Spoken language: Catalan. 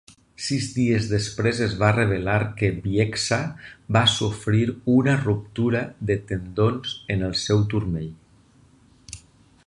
Sis dies després es va revelar que Bieksa va sofrir una ruptura de tendons en el seu turmell.